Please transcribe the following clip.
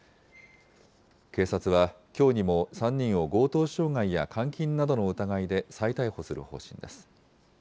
警察は、きょうにも３人を強盗傷害や監禁などの疑いで再逮捕する方針です。